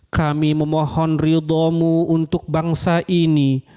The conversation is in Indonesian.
kami memohon ridha mu untuk bangsa ini